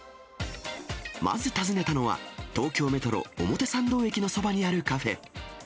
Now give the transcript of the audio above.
まず訪ねたのは、東京メトロ表参道駅のそばにあるカフェ。